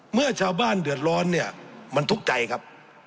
เมื่อชาวบ้านเดือดร้อนเนี่ยมันทุกข์ใจครับ